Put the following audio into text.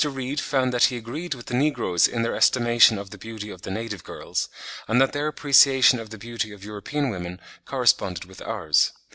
Reade found that he agreed with the negroes in their estimation of the beauty of the native girls; and that their appreciation of the beauty of European women corresponded with ours.